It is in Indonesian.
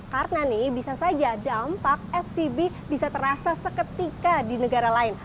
karena nih bisa saja dampak svb bisa terasa seketika di negara lain